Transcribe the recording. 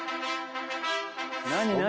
・何何？